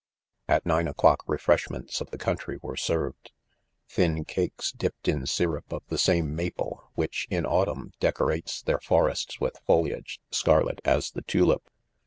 * At nine o'clock refreshments of the coun try were served ; thin cakes, dipped in syrup of the same maple, which, inautufen, decorates their forests with foliage scarlet as the tujip